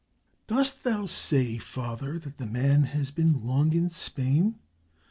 "Dost thou say, father, that the man has been long in Spain?"